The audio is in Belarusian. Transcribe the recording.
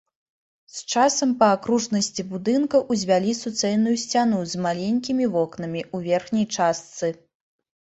З часам па акружнасці будынка ўзвялі суцэльную сцяну з маленькімі вокнамі ў верхняй частцы.